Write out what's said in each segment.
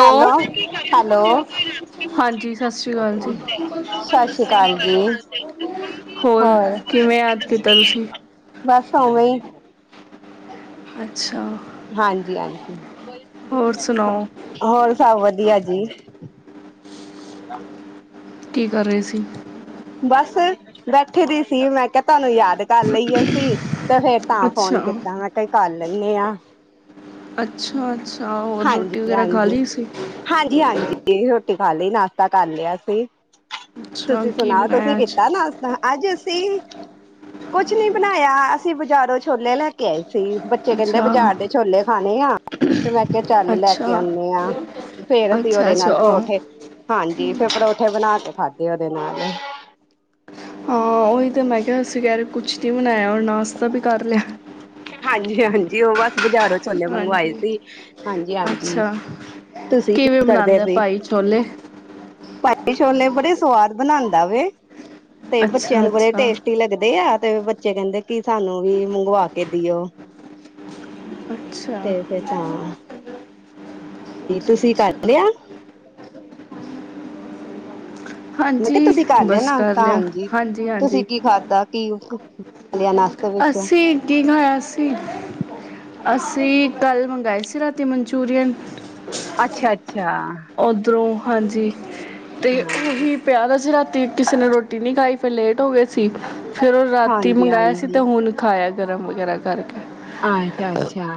Hello hello ਹਾਂਜੀ ਸਤਿ ਸ਼੍ਰੀ ਅਕਾਲ ਜੀ ਸਤਿ ਸ੍ਰੀ ਅਕਾਲ ਜੀ ਹੋਰ ਕਿਵੇਂ ਯਾਦ ਕੀਤਾ ਤੁਸੀਂ ਬਸ ਉਵੇਂ ਹੀ ਅੱਛਾ ਹਾਂਜੀ ਹਾਂਜੀ ਹੋਰ ਸੁਣਾਓ ਹੋਰ ਸਭ ਵਧੀਆ ਜੀ ਜੀ ਕੀ ਕਰ ਰਹੇ ਸੀ ਬਸ ਬੈਠੇ ਦੀ ਸੀ ਮੈਂ ਕਿਹਾ ਤੁਹਾਨੂੰ ਯਾਦ ਕਰ ਲਈ ਆਸੀ ਤੇ ਫੇਰ ਤਾਂ ਫੋਨ ਅੱਛਾ ਕੀਤਾ ਮੈਂ ਕਿਹਾ ਕੱਲ ਲੈਨੇ ਆ ਅੱਛਾ ਅੱਛਾ ਹੋਰ ਰੋਟੀ ਹਾਂਜੀ, ਵਗੈਰਾ ਖਾ ਹਾਂਜੀ। ਲਈ ਸੀ ਹਾਂਜੀ, ਹਾਂਜੀ। ਰੋਟੀ ਖਾ ਲਈ। ਨਾਸ਼ਤਾ ਕਰ ਲਿਆ ਸੀ। ਅੱਛਾ ਤੁਸੀਂ ਕੀ ਸੁਣਾਓ, ਤੁਸੀਂ ਬਣਾਇਆ ਅੱਜ ਕੀਤਾ ਨਾਸ਼ਤਾ ਅੱਜ ਅਸੀ, ਕੁਛ ਨੀ ਬਣਾਇਆ। ਅਸੀਂ ਬਾਜ਼ਾਰੋਂ ਛੋਲੇ ਲੈ ਕੇ ਆਏ ਸੀ। ਬੱਚੇ ਕਹਿੰਦੇ, ਅੱਛਾ ਬਾਜ਼ਾਰ ਦੇ ਛੋਲੇ ਖਾਣੇ ਆ, ਤੇ ਮੈਂ ਕੇ ਚੱਲ ਲੈ ਕੇ ਅੱਛਾ ਆਉਂਦੇ ਹਾਂ। ਫੇਰ ਅਸੀਂ ਅੱਛਾ ਉਹਦੇ ਅੱਛਾ ਨਾਲ, ਉਹ ਪਰੌਠੇ, ਹਾਂਜੀ, ਫੇਰ ਪਰੌਠੇ ਬਣਾ ਕੇ ਖਾਧੇ ਉਹਦੇ ਨਾਲ। ਹਾਂ, ਉਹੀ ਤਾਂ ਮੈਂ ਕਿਹਾ ਤੁਸੀ ਕਿਹ ਰਹੇ ਕੁਛ ਨੀ ਬਨਾਇਆ ਔਰ ਨਾਸਤਾ ਵੀ ਕਰ ਲਿਆ। ਹਾਂਜੀ-ਹਾਂਜੀ, ਉਹ ਬਸ ਬਾਜ਼ਾਰੋਂ ਛੋਲੇ ਮੰਗਵਾਏ ਹਾਂਜੀ ਸੀ, ਹਾਂਜੀ-ਹਾਂਜੀ, ਅੱਛਾ ਤੁਸੀਂ ਕੀ ਕਿਵੇਂ ਕਰਦੇ ਬਣਾਉਂਦਾ ਪੇ? ਭਾਈ ਛੋਲੇ ਪਾਈ ਛੋਲੇ ਬੜੇ ਸਵਾਦ ਬਣਾਂਦਾ ਵੇ। ਤੇ, ਬੱਚਿਆਂ ਅੱਛਾ ਨੂੰ ਬੜੇ ਅੱਛਾ ਟੇਸਟੀ ਲੱਗਦੇ ਆ। ਤੇ ਬੱਚੇ ਕਹਿੰਦੇ ਕਿ, ਸਾਨੂੰ ਵੀ ਮੰਗਵਾ ਕੇ ਦਿਓ। ਅੱਛਾ। ਤੇ ਫੇਰ ਤਾਂ ਤੁਸੀਂ ਕਰ ਅੱਛਾ ਲਿਆ? ਮੈਂ ਕਿਹਾ ਹਾਂਜੀ ਤੁਸੀਂ ਕਰ ਲਿਆ ਬਸ ਕਰ ਨਾਸ਼ਤਾਂ? ਲਿਆ ਹਾਂਜੀ, ਤੁਸੀਂ ਕੀ ਖਾਧਾ ਕੀ? ਖਾ ਲਿਆ ਨਾਸ਼ਤੇ ਵਿੱਚ ਅੱਸੀ, ਕੀ ਖਾਇਆ ਸੀ? ਅੱਸ [unintelligible] ਕੱਲ੍ਹ ਮੰਗਾਏ ਸੀ ਰਾਤੀ ਮਨਚੂਰੀਅਨ ਅੱਛਾ ਅੱਛਾ ਉਓਧਰੋਂ, ਹਾਂਜੀ। ਤੇ ਹਾਂਜੀ ਉਹੀ ਪਿਆ ਦਾ ਸੀ ਰਾਤ ਤੇ ਕਿਸੇ ਨੇ ਰੋਟੀ ਨਹੀਂ ਖਾਈ, ਫਿਰ ਲੇਟ ਹੋ ਗਏ ਸੀ, ਫਿਰ ਉਹ ਰਾਤੀ ਹਾਂਜੀ ਮੰਗਾਯਾ ਸੀ ਤੇ ਹੁਣ ਖਾਇਆ। ਗਰਮ ਵਗੈਰਾ ਕਰਕੇ। ਅੱਛਾ-ਅੱਛਾ।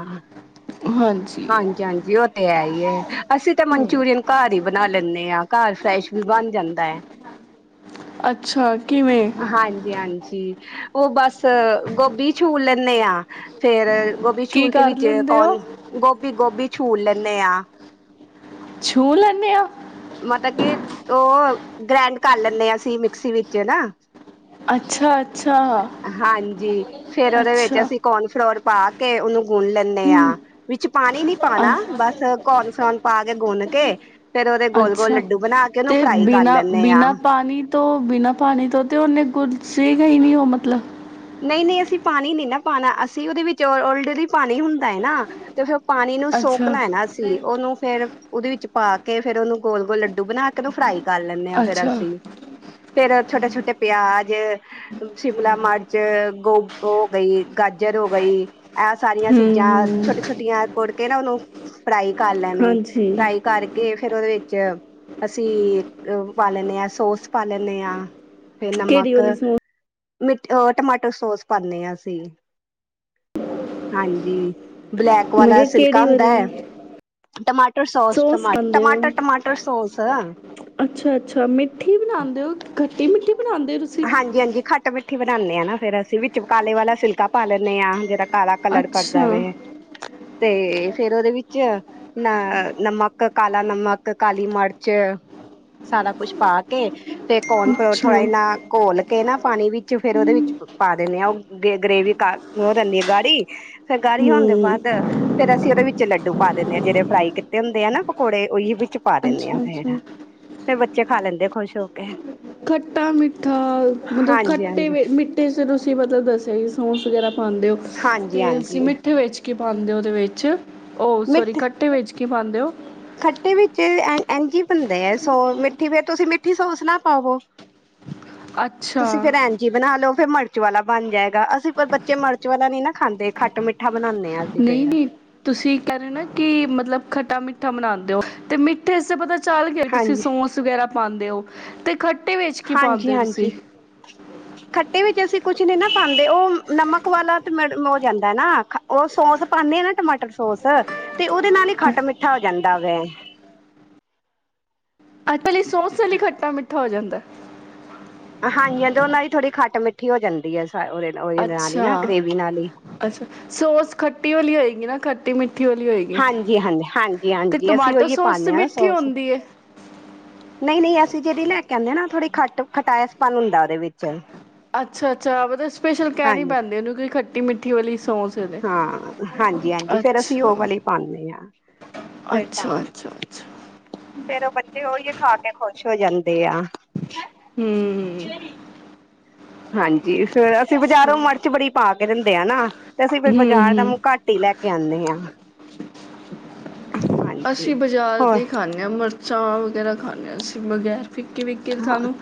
ਹਾਂਜੀ ਹਾਂਜੀ-ਹਾਂਜੀ, ਉਹ ਤੇ ਹੈ ਹੀ। [unintelligible] ਅਸੀਂ ਤਾਂ ਮਨਚੂਰੀਅਨ ਕਾਰ ਹੀ ਬਣਾ ਲੈਂਨੇ ਹਾਂ, ਕਾਰ ਫਰੈਸ਼ ਵੀ ਬਣ ਜਾਂਦਾ ਹੈ। ਅੱਛਾ। ਕਿਵੇਂ ਹਾਂਜੀ-ਹਾਂਜੀ। ਉਹ ਬਸ ਗੋਭੀ ਛੂਰ ਲੈਂਨੇ ਆਂ, ਫੇਰ ਗੋਭੀ ਕੀ ਛੂੂਰ ਕੇ ਕਰ ਵਿੱਚ ਲੈਂਦੇ ਕੌ ਹੋ ਗੋਭੀ-ਗੋਭੀ ਛੂਰ ਲੈਨੇ ਆਂ। ਛੂਰ ਲੈਂਨੇ ਹਾਂ। ਮਤਲਬ ਕੀ ਉਹ ਗ੍ਰੈਂਡ ਕਰ ਲੈਂਨੇ ਹਾਂ ਅਸੀਂ ਮਿਕਸੀ ਵਿੱਚ ਨਾ। ਅੱਛਾ ਅੱਛਾ ਹਾਂਜੀ ਫੇਰ ਉਹਦੇ ਵਿੱਚ ਅੱਛਾ ਅਸੀਂ ਕਾਰਨ ਫਲੋਰ ਪਾ ਕੇ ਉਹਨੂੰ ਗੁਣ ਲੈਂਦੇ ਹੂੰ ਆਾਂ ਵਿੱਚ ਪਾਣੀ ਨੀ ਅ ਪਾਉਣਾ ਬਸ ਕੌਣ ਪਾ ਕੇ ਗੁੰਨ ਕੇ ਫੇਰ ਉਹਦੇ ਗੋਲ ਗੋਲ ਅੱਛਾ ਲੱਡੂ ਬਣਾ ਕੇ ਉਹਨੂੰ ਤੇ ਫਰਾਈ ਕਰ ਬਿਨਾਂ ਲੈਂਦੇ ਹਾਂ। ਬਿਨਾਂ ਪਾਣੀ ਤੋਂ ਬਿਨਾਂ ਪਾਣੀ ਤੋਂ ਤੇ ਉਹਨੇ ਗੁੁਰਸੇ ਗਈ ਨੀ ਉਹ ਮਤਲਬ ਨਹੀਂ ਨਹੀਂ ਅਸੀਂ ਪਾਣੀ ਨੀ ਨਾ ਪਾਉਣਾ ਅਸੀਂ ਉਹਦੇ ਵਿੱਚ ਓਲਰੇਡੀ ਪਾਣੀ ਹੁੰਦਾ ਹੈ ਨਾ ਤੇ ਫਿਰ ਪਾਣੀ ਨੂੰ ਅੱਛਾ ਸੋਕਣਾ ਹੈ ਨਾ ਸੀ ਉਹਨੂੰ ਫੇਿਰ ਉਹਦੇ ਵਿੱਚ ਪਾ ਕੇ ਫੇਰ ਉਹਨੂੰ ਗੋਲ ਗੋਲ ਲੱਡੂ ਬਣਾ ਕੇ ਉਹਨੂੰ ਫਰਾਈ ਕਰ ਲੈਂਦੇ ਹਾਂ ਫੇਰ ਅੱਛਾ ਅਸੀਂ ਫੇਿਰ ਛੋਟੇ ਛੋਟੇ ਪਿਆਜ ਸ਼ਿਮਲਾ ਮਰਚ ਚ ਗੋ ਹੋ ਗਈ ਗਾਜਰ ਹੋ ਗਈ ਇਹ ਸਾਰੀਆਂ ਹੂੰ ਸੀਗਾਂ ਹੂੰ ਛੋਟੇ ਛੋਟੀਆਂ ਕੁੜ ਕਿਹੜ ਉਹਨ ਫਰਾਈ ਕਰ ਲੈਣੇ ਹਾਂਜੀ ਫਰਾਈ ਕਰਕੇ ਫੇਰ ਉਹਦੇ ਵਿੱਚ ਚ ਅਸੀਂ ਪਾ ਲੈਂਦੇ ਹਾਂ ਸੋਸ ਪਾ ਲੈਂਦੇ ਹਾਂ ਫਿਰ ਕਿਹੜੀ ਨਮੱਕ ਵਾਲੀ ਸੌਸ ਮਿੱਟ ਅ ਟਮਾਟਰੋ ਸੋਸ ਪਾਦੇ ਹਾਂ ਅਸੀਂ ਹਾਂਜੀ ਬਲੈਕ ਮੈਂ ਵਾਲਾ ਕਿਹਾ ਸਿਲਕਾ ਕਿਹੜੀ ਹੁੰਦਾ ਹੈ ਵਾਰੀ ਟਮਾਟਰ ਸੋਸ ਸੋ ਸ ਟਮਾ ਖਾਂਦੇ ਹੋ ਟਮਾਟਰ ਟਮਾਟਰ ਸੋਸ ਅੱਛਾ ਅੱਛਾ ਮਿੱਠੀ ਬਣਾਉਦੇ ਹੋ ਘਟੀ ਮਿੱਠੀ ਬਣਾਦੇ ਹੋ ਤੁਸੀਂ ਠੀ ਬਣਾਉਦੇ ਆ ਨਾ ਫਰ ਅਸੀਂ ਵੀ ਚ ਕਾਲੇ ਵਾਲਾ ਸਿਲਕਾ ਪਾ ਲੈਂਦੇ ਹਾਂ ਜਿਹੜਾ ਕਾਲਾ ਕਲਰ ਕਰਦਾ ਅੱਛਾ ਵਵੇ ਤੇ ਫੇਰ ਉਹਦੇ ਵਿੱਚ ਅ ਨਮਕ ਕਾਲਾ ਨਮਕ ਕਾਲੀ ਮਿਰਚ ਸਾਰਾ ਕੁਛ ਪਾ ਕੇ ਤੇ ਕੌਣੋ ਥੋੜਾ ਅੱਛਾ ਇ ਨਾ ਘੋਲ ਕੇ ਨਾ ਪਾਣੀ ਵਿੱਚ ਫੇਿਰ ਉਹਦੇ ਵਿੱਚ ਪਾ ਦਿੰਦੇ ਹਾਂ ਉਹ ਗ ਗਰੇਵੀ ਉਹ ਦਿੰਦੀ ਆ ਗਾੜੀ ਫੇਰ ਗਾਲੀ ਹੋਣ ਦੇ ਹੂੰ ਬਾਅਦ ਫੇਰ ਅਸੀ ਅਸੀ ਉਹਦੇ ਵਿੱਚ ਲੱਡੂ ਪਾ ਦਿੰਦੇ ਹਾਂ ਜਿਹੜੇ ਫਰਾਈ ਕੀਤੇ ਹੁੰਦੇ ਆ ਨਾ ਪਕੌੜੇ ਉਹੀ ਵਿੱਚ ਪਾ ਦਿੰਦੇ ਆਾਂ ਅੱਛਾ ਫੇਰ ਅੱਛਾ ਫੇਰ ਬੱਚੇ ਖਾ ਲੈਂਦੇ ਆ ਖੁਸ਼ [unintelligible] ਖੱਟਾ ਮਿੱਠਾ ਮਤਲਬ ਖੱਟਾ। ਹਾਂਜੀ ਮਿੱਟੇ ਹਾਂਜੀ ਮਿੱਟੇ ਚ ਤੁਸੀਂ ਮਤਲਬ ਦੱਸਿਆ। ਸੋਸ ਵਗੈਰਾ ਪਾਉਂਦੇ ਹੋ ਹਾਂਜੀ ਤੇ ਤੁਸੀਂ ਹਾਂਜੀ ਮਿੱਠੇ ਵਿੱਚ। ਕੀ ਪਾਉਦੇ ਹੋ ਉਹਦੇ ਵਿੱਚ। ਉਹ ਸੋਰੀ ਮਿੱਠ ਖੱਟੇ ਵਿੱਚ। ਕੀ ਪਾਉਂਦੇ ਹੋ। ਖੱਟੇ ਵਿੱਚ ਇੰਝ ਬਣਦੇ ਆ ਸੋ ਮਿੱਠੀ ਫੇਰ ਤੁਸੀਂ ਮਿੱਠੀ ਸੌਸ ਨਾ ਪਾਵੋ। ਅੱਛਾ ਤੁਸੀਂ ਫੇਰ ਐਵੇਂ ਹੀ ਬਣਾ ਲੋ ਫੇਰ ਮੜ। ਮਿਰਚ ਵਾਲਾ ਬਣ ਜਾਏਗਾ ਅਸੀਂ ਪਰ ਬੱਚੇ ਮਿਰਚ ਵਾਲਾ ਨਹੀਂ ਨਾ ਖਾਂਦੇ ਖੱਟ ਮਿੱਠਾ। ਬਣਾਉਂਦੇ ਹਾਂ ਅਸੀਂ ਨਹੀਂ ਫੇਰ ਨਹੀਂ ਤੁਸੀਂ ਕਹਿ ਰਹੇ ਨਾ ਕਿ ਮਤਲਬ ਖੱਟੇ। ਖੱਟਾ ਮਿੱਠਾ ਮਨਾਉਂਦੇ ਹੋ ਤੇ ਮਿੱਠੇ ਸੇ ਪਤਾ। ਚੱਲ ਗਿਆ ਤੁਸੀਂ ਹਾਂਜੀ ਸੋਸ ਵਗੈਰਾ। ਪਾਉਂਦੇ ਹੋ ਤੇ। ਖੱਟੇ ਵਿੱਚ ਕੀ ਹਾਂਜੀ ਪਾਉਂਦੇ ਹੋ ਤੁਸੀਂ। ਹਾਂਜੀ ਖੱਟੇ ਵਿੱਚ ਅਸੀਂ ਕੁਛ ਨਹੀ ਨਾ ਪਾਉਂਦੇ ਉਹ ਨਮਕ ਵਾਲਾ ਹੋ ਜਾਂਦਾ ਨਾ ਉਹ ਸੋਸ ਪਾਉਂਦੇ ਆ ਨਾ ਟਮਾਟਰ ਸੋਸ ਤੇ ਉਹਦੇ ਨਾਲ ਹੀ ਖੱਟ ਮਿੱਠਾ ਹੋ ਜਾਂਦਾ ਗੇ। ਇੱਕਲੀ ਸੌਸ ਨਾਲ ਹੀ ਖੱਟਾ ਮਿੱਠਾ ਹੋ ਜਾਂਦਾ। ਹਾਂਜੀ ਤੇ ਉਹਨਾਂ ਦੀ ਥੋੜ੍ਹੀ ਖੱਟ ਮਿੱਠੀ ਹੋ ਜਾਂਦੀ ਹੈ। ਉਹਦੇ ਉਹਦੇ ਨਾਲ ਹੀ ਅੱਛਾ ਨਾ ਗ੍ਰੇਵੀ ਨਾਲ ਹੀ ਅੱਛਾ ਸੋਸ ਖੱਟੀ ਵਾਲੀ ਹੋਏਗੀ। ਨਾ ਖੱਟੀ ਮਿੱਠੀ। ਵਾਲੀ ਹੋਏਗੀ ਹਾਂਜੀ ਹਾਂਜੀ ਹਾਂਜੀ ਤੇ ਹਾਂਜੀ ਅਸੀਂ ਟਮਾਟੋ ਉਹੀ ਸੋਸ ਤੇ ਪਾਉਦੇ ਹਾਂ ਮਿੱਠੀ ਸੋਸ ਹੁੰਦੀ ਏ। ਨਹੀਂ ਨਹੀਂ ਅਸੀਂ। ਅਸੀ ਜਿਹੜੀ ਲੈ ਕੇ ਆਉਂਦੇ ਨਾ ਥੋੜੀ ਖੱਟ ਖਟਾਇਸਪਨ ਹੁੰਦਾ ਉਹਦੇ ਵਿੱਚ। ਅੱਛਾ ਅੱਛਾ ਮਤਲਬ ਸਪੈਸ਼ਲ ਕਹਿ ਨੀ ਹਾਂਜੀ ਪੈਂਦੀ ਉਹਨੂੰ ਖੱਟੀ ਮਿੱਠੀ ਵਾਲੀ। ਸੌਸ ਏਦੇ। ਹਾਂ ਹਾਂਜੀ ਹਾਂਜੀ ਫੇਰ ਅਸੀਂ ਅੱਛਾ ਉਹ ਵਾਲੇ ਪਾਉਂਦੇ ਹਾਂ ਫੇਰ ਤਾਂ ਅੱਛਾ ਅੱਛਾ ਅੱਛਾ ਫੇਰ ਬੱਚੇ ਉਹੀ। ਖਾ ਕੇ ਖੁਸ਼ ਹੋ ਜਾਂਦੇ ਆ। ਹੈ ਹੂੰ। ਕਿਹੜੀ। [unintelligible] ਹਾਂਜੀ ਫੇਰ। ਬਜ਼ਾਰੋ ਹੂੰ ਮਿਰਚ ਬੜੀ ਪਾ। ਦਿੰਦੇ ਆ ਨਾ। ਤੇ ਅਸੀਂ ਫਿਰ ਬਾਜ਼ਾਰ ਦਾ ਮੂੰਹ ਹੂੰ ਘੱਟ ਹੀ ਲੈ ਕੇ ਆਉਂਦੇ ਹਾਂ। [unintelligible] ਇਸ। [inaudible] ਹਾਂਜੀ ਅਸੀਂ ਬਜ਼ਾਰ ਹੋਰ ਦੇ ਖਾਣੇ ਹਾਂ। ਚਾਹ ਵਗੈਰਾ ਖਾਣੇ ਹਾ ਅਸੀਂ ਵਗੈਰ। [unintelligible] ਫਿੱੱਕੀ ਫਿੱੱਕੀ ਸਾਨੂੰ।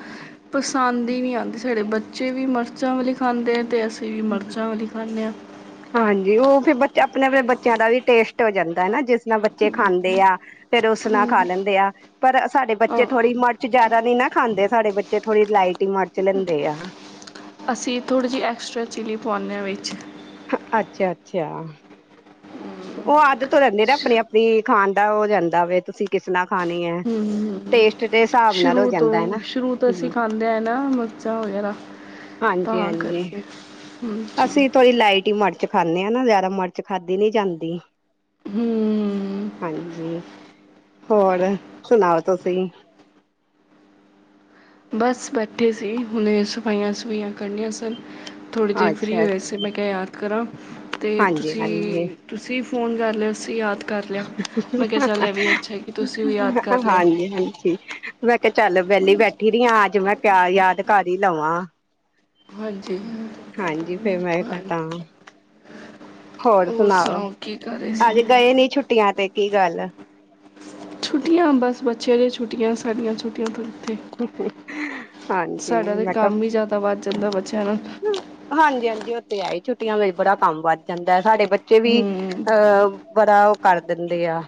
ਪਸੰਦ ਹੀ ਨਹੀਂ ਆਉਂਦੀ ਸਾਡੇ ਬੱਚੇ ਵੀ ਮਰਚਾਂ ਵਾਲੀ ਖਾਂਦੇ ਤੇ ਅਸੀ ਅਸੀਂ ਮਰਚਾਂ ਵੀਲੀ ਖਾਨੇ ਹਾਂ ਹਾਂਜੀ ਉਹ ਫਿਰ ਆਪਣੇ ਬੱਚਿਆਂ ਦਾ ਵੀ ਟੇਸਟ ਹੋ ਜਾਂਦਾ ਹੈ ਜਿਸ ਨਾਲ ਬੱਚੇ ਖਾਂਦੇ ਆ ਫੇਰ ਉਸ ਨਾਲ ਖਾ ਲੈਂਦੇ ਆ ਪਰ ਸਾਡੇ ਬੱਚੇ ਹਾਂ ਥੋੜੀ ਮਿਰਚ ਜ਼ਿਆਦਾ ਨਹੀਂ ਨਾ ਖਾਂਦੇ ਸਾਡੇ ਬੱਚੇ ਥੋੜੀ ਲਾਈਟ ਹੀ ਮਿਰਚ ਲੈਂਦੇ ਆ ਅਸੀਂ ਥੋੜ੍ਹੀ ਜਿਹੀ ਐਕਸਟਰਾ ਚਿਲੀ ਪਾਵਾਉਂਦੇ ਹਾਂ ਵਿੱਚ ਅੱਛਾ ਅੱਛਾ ਉਹ ਆਦਤ ਹੋ ਜਾਂਦੀ ਨਾ ਆਪਣੀ ਆਪਣੀ ਖਾਨ ਦਾ ਹੋ ਜਾਂਦਾ ਵੇ ਤੁਸੀਂ ਕਿਸ ਨਾਲ ਖਾਣੀ ਹੈ ਹਮ ਟੇਸਟ ਦੇ ਹ ਹਿਸਾਬ ਨਾਲ ਹੋ ਸ਼ੁਰੂ ਜਾਂਦਾ ਹੈ ਤੋਂ ਨਾ ਸ਼ੁਰੂ ਤੋਂ ਅਸੀਂ ਹਮ ਖਾਂਦੇ ਆਏ ਨਾ ਮਿਰਚਾਂ ਵਗੈਰਾ ਹਾਂਜੀ ਤਾਂ ਹਾਂਜੀ, ਕਰਕੇ ਹਾਂਜੀ ਅਸੀਂ ਥੋੜੀ ਲਾਈਟ ਹੀ ਮਰ ਚ ਖਾਂਣੇ ਆਂ ਨਾਂ ਜ਼ਿਆਦਾ ਮਰਚ ਖਾਧੀ ਨੀਂ ਜਾਂਦੀ। ਹੂੰ ਹਾਂਜੀ। ਹੋਰ ਸੁਣਾਓ ਤੁਸੀਂ? ਬਸ ਬੈਠੇ ਸੀ ਹੁਣੇ ਸਫਾਈਆਂ ਸਫੂਈਆਂ ਕਰਨੀਆਂ ਸਨ। ਥੋੜੀ ਦੇਰ ਫਰੀ ਅੱਛਾ ਹੋਏ ਸੀ ਅੱਛਾ ਮੈਂ ਕਿਆ ਯਾਦ ਕਰਾਂ। ਤੇ ਹਾਂਜੀ ਤੁਸੀ ਹਾਂਜੀ ਤੁਸੀਂ ਫੋਨ ਕਰ ਲਿਆ ਅ ਯਾਦ ਕਰ ਲਿਆ ਮੈਂ ਕਿਹਾ ਚੱਲ ਇਹ ਵੀ ਅੱਛਾ ਕਿ ਤੁਸੀਂ ਉਹ ਯਾਦ ਕਰ ਲਿਆ। ਆ ਚੱਲ ਵਿਹਲੀ ਬੈਠੀ ਰਹੀ ਆ ਆੱਜ ਮੈਂ ਪਿਆ ਯਾਦਗਾਰੀ ਹੀ ਲਵਾਂ। ਹਾਂਜੀ ਹਾਂਜੀ ਫੇਰ ਮੈਂ ਹਾਂਜੀ। ਤਾਂ ਹੋਰ ਸੁਣਾਓ? ਕੀ ਕਰ ਰਹੇ ਸੀ ਅੱਜ ਗਏ ਨੀਂ ਛੁੱਟੀਆਂ ਤੇ ਕੀ ਗੱਲ? ਛੁੱਟੀਆਂ ਬਸ ਬੱਚਿਆਂ ਦੀ, ਛੁੱਟੀਆਂ ਸਾਡੀਆਂ ਛੁ ਟੀਆਂ ਕਿੱਥੇ ਹਾਂਜੀ ਸਾਡਾ ਤੇ ਮੈਂ ਕੰਮ ਕਿਹਾ ਈ ਜ਼ਿਆਦਾ ਵੱਧ ਜਾਂਦਾ ਬੱਚਿਆਂ ਨਾਲ ਹਾਂਜੀ ਹਾਂਜੀ। ਉ ਏ ਈ ਛੁੱਟੀਆਂ ਵਿੱਚ ਬੜਾ ਕੰਮ ਵੱਧ ਜਾਂਦਾ ਐ, ਸਾਡੇ ਬੱਚੇ ਬੱਚੇ ਵੀ ਹੂੰ, ਅਹ ਬੜਾ ਉ ਕਰ ਦਿੰਦੇ ਆਂ।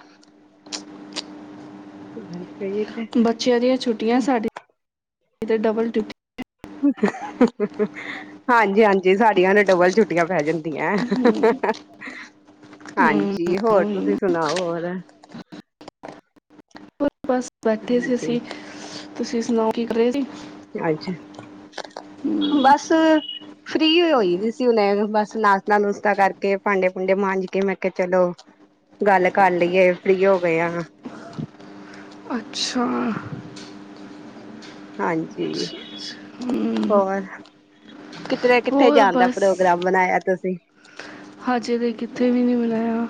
ਬੱਚਿਆਂ ਦੀਆਂ ਛੁੱਟੀਆਂ ਸਾਡੇ ਇਧੱਰ ਡਬਲ ਡਿਊਟੀ ਐ। [unintelligible] ਹਾਂਜੀ ਹਾਂਜੀ, ਸਾਡੀਆਂ ਨੂੰ ਡਬਲ ਛੁੱਟੀਆਂ ਪੈ ਜਾਂਦੀਆਂ। ਹੂੰ, ਹੂੰ, ਹਾਂਜੀ ਹੋਰ ਉਹੀ ਤੁਸੀਂ ਨਾ। ਸੁਣਾਓ ਹੋਰ? ਬਸ ਬੈਠੇ ਹਾਂਜੀ ਸੀ ਅਸੀਂ ਤੁਸੀਂ ਸੁਣਾਓ? ਕੀ ਕਰਹੇ ਸੀ? ਅੱਛਾ ਬਸ ਫ੍ਰਰੀ ਹੋਈ ਸੀ ਉਹਨੇ ਬਸ ਨਾਸ਼ਤਾ ਨੁਸ਼ਤਾ ਕਰਕੇ ਭਾਂਡੇ ਭੂੰਡੇ ਮਾਂਜ ਕੇ ਮੈਂ ਕਿਹਾ ਚਲੋ ਗੱਲ ਕਰ ਲਈਏ ਫ੍ਰੀ ਹੋ ਗਏ ਆਂ। ਅੱਛਾ ਹਾਂਜੀ। ਅੱਛਾ, ਅੱਛਾ ਹੂੰ, ਹੋਰ ਕਿਤੇ ਨਾ ਕਿੱਥੇ ਹੋਰ ਜਾਣ ਦਾ ਬਸ ਪ੍ਰੋਗਰਾਮ ਬਣਾਇਆ ਤੁਸੀਂ? ਹਜੇ ਤਾਂ ਕਿੱਥੇ ਵੀ ਨ੍ਹੀਂ ਬਣਾਇਆ।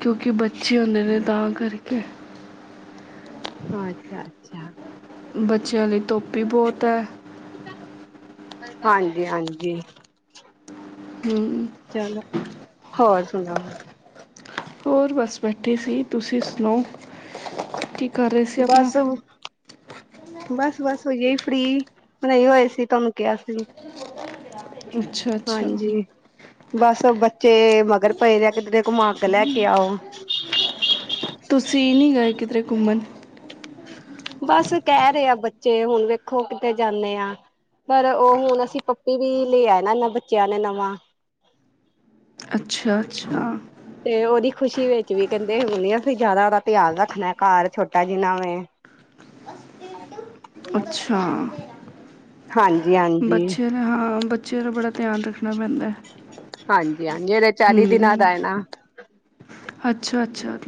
ਕਿਉਂਕਿ ਬੱਚੇ ਹੁੰਦੇ ਨੇ ਤਾਂ ਕਰਕੇ ਕਿ ਅੱਛਾ ਅੱਛਾ ਬੱਚਿਆਂ ਲਈ ਧੁੱਪ ਬਹੁਤ ਹੈ ਹਾਂਜੀ ਹਾਂਜੀ ਹਮ ਚਲੋ ਹੋਰ ਸੁਣਾ ਹੋਰ ਬੱਸ ਬੈਠੀ ਸੀ ਤੁਸੀਂ ਸੁਣਾ ਕਿ ਕਰ ਰਹੇ ਸੀ ਆਪਣਾ ਬਸ ਬਸ ਬਸ ਹੋਈਏ ਫਰੀ ਨਹੀਂ ਹੋਏ ਸੀ ਤੁਹਾਨੂੰ ਕਿਹਾ ਸੀ ਅੱਛਾ ਅੱਛਾ ਹਾਂਜੀ ਬਸ ਬੱਚੇ ਮਗਰ ਪਏ ਰ ਆ ਕਿੱਥੇ ਘੁਮਾ ਅੱਗ ਲੈ ਕੇ ਆਓ ਤੁਸੀਂ ਨਹੀਂ ਗਏ ਕਿਧਰੇ ਘੁੰਮਣ ਬਸ ਕਹਿ ਰਹੇ ਆ ਬੱਚੇ ਹੁਣ ਵੇਖੋ ਕਿਤੇ ਜਾਂਦੇ ਆ ਪਰ ਉਹ ਹੁਣ ਅਸੀਂ ਪੱਪੀ ਵੀ ਲਿਆ ਨਾ ਇਹ ਬੱਚਿਆਂ ਨੇ ਨਵਾਂ ਅੱਛਾ ਅੱਛਾ ਤੇ ਉਹਦੀ ਖੁਸ਼ੀ ਵਿੱਚ ਵੀ ਕਹਿੰਦੇ ਹੋਣੇ ਅਸੀਂ ਜ਼ਿਆਦਾ ਉਹਦਾ ਪਿਆਰ ਰੱਖਣਾ ਘਰ ਛੋਟਾ ਜਿਨਾ ਵ ਅੱਛਾ ਹਾਂਜੀ ਹਾਂਜੀ ਬੱਚਿਆਂ ਦਾ ਹਾਂ ਬੱਚਿਆਂ ਦਾ ਬੜਾ ਧਿਆਨ ਰੱਖਣਾ ਪੈਂਦਾ ਹਾਂਜੀ ਹਾਂਜੀ ਚਾਲੀ ਦਿਨਾਂ ਹਮ ਦਾ ਹੈ ਨਾ ਅੱਛਾ ਅੱਛਾ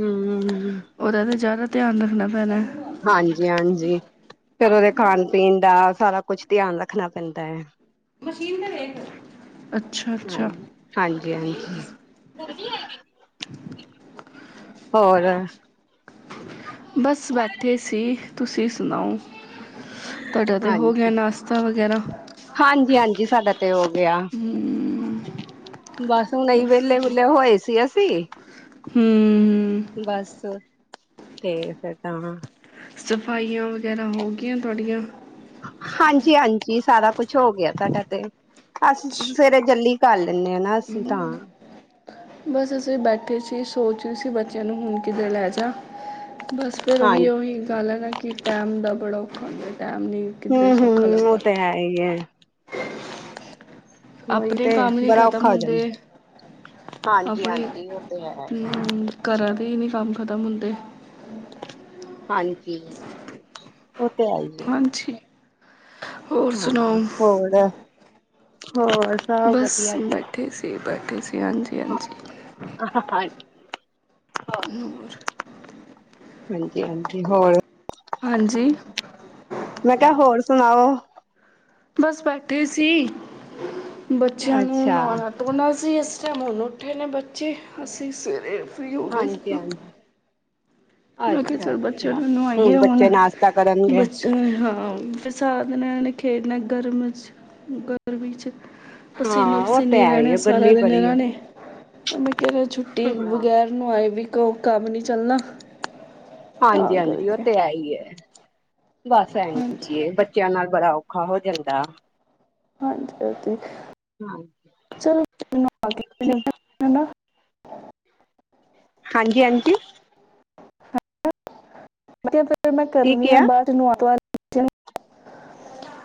ਹਮ ਉਹਰ ਤਾਂ ਜ਼ਦਾਤਰ ਧਿਆਨ ਰੱਖਣਾ ਪੈਣਾ ਹਾਂਜੀ ਹਾਂਜੀ ਫਿਰ ਉਹਦੇ ਖਾਣ ਪੀਣ ਦਾ ਸਾਰਾ ਕੁਛ ਧਿਆਨ ਰੱਖਣਾ ਪੈਂਦਾ ਹੈ ਮਸ਼ੀਨ ਤੇ ਵੇਖ ਅੱਛਾ ਅੱਛਾ ਹਾਂਜੀ ਹਾਂਜੀ ਹਾਂਜੀ ਹੋਰ ਬਸ ਬੈਠੇ ਸੀ ਤੁਸੀਂ ਸੁਣਾਓ ਤੁਹਾਡਾ ਤੇ ਹੋ ਗਿਆ ਹਾਂਜੀ ਨਾਸ਼ਤਾ ਵਗੈਰਾ ਜੀ ਸਾਡਾ ਤੇ ਹੋ ਗਿਆ ਹਮ ਬਸ ਹੁਣੇ ਵਿਹਲੇ ਵੇਹਲੇ ਹੋਏ ਸੀ ਅਸੀਂ ਹਮ ਹਮ ਬਸ ਤੇ ਫਿਰ ਤਾਂ ਸਫਾਈਆਂ ਵਗੈਰਾ ਹੋ ਗਈਆਂ ਤੁਹਾਡੀਆਂ ਹਾਂਜੀ ਹਾਂਜੀ ਸਾਰਾ ਕੁਛ ਹੋ ਗਿਆ ਸਾਡਾ ਤੇ ਅਸੀ ਅੱਛਾ, ਸਵੇਰੇ ਜਲਦੀ ਕਰ ਲੈਂਦੇ ਹਾਂ ਨਾ ਅਸੀਂ ਤਾਂ ਬਸ ਅਸੀਂ ਬੈਠੇ ਸੀ ਸੋਚ ਰਹੇ ਸੀ ਬੱਚਿਆਂ ਨੂੰ ਹੁਣ ਕਿੱਧਰ ਲੈ ਜਾ ਬਸ ਫਿਰ ਉਹੀ ਹਾਂਜੀ ਉਹੀ ਗੱਲ ਹੈ ਨਾ ਕਿ ਟਾਈਮ ਦਾ ਬੜਾ ਹਦੇ ਟੈਮ ਨਹੀਂ ਕਿੱਧਰੇ ਹਮ ਸੌਖਾ ਹਮ ਉਹ ਲੱਗਦਾ ਤੇ ਹੈ ਹੀ ਹੈ ਉਹੀ ਆਪਣੇ ਤੇ ਕੰਮ ਨੀ ਬੜਾ ਖਤਮ ਔਖਾ ਹੋ ਹੁੰਦੇ, ਜਾਂਦਾ ਹਾਂਜੀ ਆਪਣੇ ਹਾਂਜੀ ਉਹ ਤੇ ਹੈ ਘਰਾਂ ਦੇ ਹੀ ਨੀ ਕੰਮ! ਖਤਮ ਹੁੰਦੇ ਹਾਂਜੀ। ਉਹ ਤੇ ਹੈਈਏ। ਹਾਂਜੀ ਹੋਰ ਹਾਂ ਸੁਣਾਓ ਹੋਰ। ਹੋਰ ਸਭ ਬਸ ਵਧੀਆ ਜੀ। ਬੈਠੇ ਸੀ ਬੈਠੇ ਸੀ ਹਾਂਜੀ ਹ ਹਾਂਜੀ [inaudible] ਹੋਰ ਹਾਂਜੀ ਹਾਂਜੀ ਹੋਰ [inaudible] ਹਾਂਜੀ। ਮੈਂ ਕਿਹਾ ਹੋਰ ਸੁਣਾਓ। ਬਸ ਬੈਠੇ ਸੀ। ਬੱਚਿਆਂ ਨੂੰ ਅੱਛਾ। ਨਵਾਉਣਾ ਤੇਨਾ [unintelligible] ਅਸੀਂ ਇਸ ਟਾਈਮ ਹੁਣ ਉੱਠੇ ਨੇ ਬੱਚੇ ਅਸੀਂ ਸਵੇਰੇ। ਫਰੀ ਹੋਗੇ ਸੀ ਹਾਂਜੀ ਨਾ? ਹਾਂਜੀ [unintelligible] ਮੈਂ ਕਿਹਾ ਅੱਛਾ ਚਲ ਬੱਚਿਆਂ ਅੱਛਾ ਨੂੰ ਨਵਾਈਏ ਬੱਚੇ ਹੁਣ ਨਾਸ਼ਤਾ ਕਰਨਗੇ। ਬੱਚੇ ਹਾਂ। ਸਾਧਨਾ ਨੇ ਖੇਡਣਾ। ਗਰਮ 'ਚ, ਗਰਮੀ 'ਚ। [unintelligible] ਹਾਂ ਪਸੀਨੋ ਉਹ ਤੇ ਪਸੀਨੇ ਹੈ ਹੀ ਰਹਿਣੇ ਹੈ ਸਾਰਾ ਗਰਮੀ ਦਿਨ ਬੜੀ ਇਹਨਾਂ ਹੈ। ਨੇ ਮੈਂ ਕਿਹਾ ਛੁੱਟੀ ਬਗੈਰ ਨੂੰਅ ਕੰਮ ਨੀ ਚੱਲਣਾ। ਤਾਂ ਹਾਂਜੀ ਹਾਂਜੀ ਉਹ ਕਰਕੇ ਤੇ ਹੈ ਹੀ ਹੈ। ਬਸ ਇੰਜ ਹੀ ਹਾਂਜੀ ਹੈ ਬੱਚਿਆਂ ਨਾਲ ਬੜਾ। ਔਖਾ ਹੋ ਜਾਂਦਾ ਹਾਂਜੀ ਹਾਂਜੀ। ਮੈਨੂੰ ਆ ਕੇ ਚਲ [inaudible] ਹੈ ਨਾ ਹਾਂਜੀ ਆਂਟੀ। [inaudible] [unintelligible] ਫਿਰ ਮੈਂ ਕੀ ਕਰਨੀ ਆ ਕਿਹਾ ਬਾਦ ਚ। [unintelligible]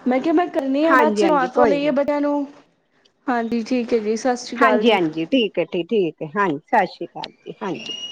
ਮੈਂ ਕਿਹਾ ਮੈਂ। ਹਾਂਜੀ ਹਾਂਜੀ ਕੋਈ ਨੀ। [unintelligible] [inaudible] [unintelligible] ਹਾਂਜੀ ਠੀਕ ਹੈ ਜੀ। ਸਤਿ ਸ਼੍ਰੀ ਅਕਾਲ ਹਾਂਜੀ ਜੀ ਹਾਂਜੀ ਠੀਕ ਹੈ ਠੀਕ ਠੀਕ ਹੈ। ਹਾਂਜੀ ਸਤਿ ਸ੍ਰੀ ਅਕਾਲ। ਹਾਂਜੀ। [inaudible]